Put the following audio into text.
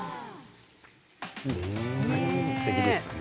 すてきでしたね。